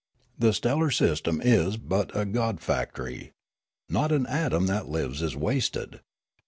The stellar system is but a great god factory. Not an atom that lives is wasted.